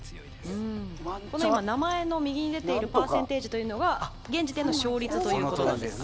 名前の右に出ているパーセンテージが現時点の勝率ということですね。